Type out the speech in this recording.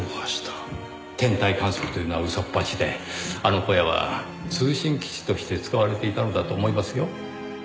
天体観測というのは嘘っぱちであの小屋は通信基地として使われていたのだと思いますよ。